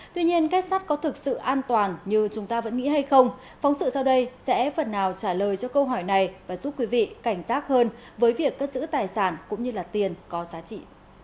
tuy nhiên kết sắt có thực sự an toàn như chúng ta vẫn nghĩ hay không phóng sự sau đây sẽ phần nào trả lời cho câu hỏi này và giúp quý vị cảnh giác hơn với việc cất giữ tài sản cũng như tiền có giá trị